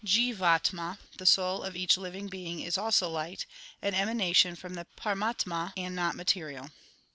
Jlvatama, the soul of each living being, is also light, an emanation from the Paramatama and not material.